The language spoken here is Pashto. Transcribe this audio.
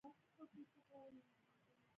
دا کار یوازې د خپل مټ او بازو په زور کولای شي.